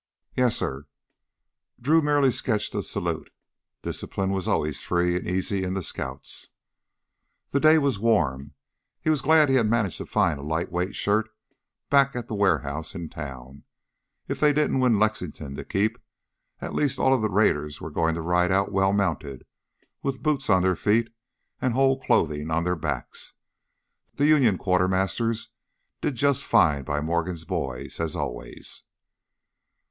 "Yes, sir." Drew merely sketched a salute; discipline was always free and easy in the Scouts. The day was warm. He was glad he had managed to find a lightweight shirt back at the warehouse in town. If they didn't win Lexington to keep, at least all of the raiders were going to ride out well mounted, with boots on their feet and whole clothing on their backs. The Union quartermasters did just fine by Morgan's boys, as always.